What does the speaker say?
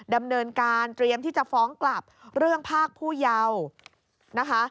ดำเนินการเตรียมที่จะฟ้องกลับเรื่องภาคผู้เยาว์นะคะ